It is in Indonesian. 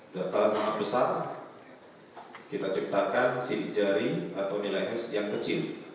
data sangat besar kita ciptakan sidik jari atau nilai es yang kecil